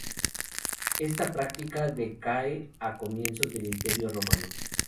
Esta práctica decae a comienzos del Imperio romano.